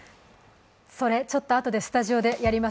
それ、ちょっとあとでスタジオでやります。